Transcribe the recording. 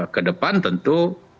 ke depan tentu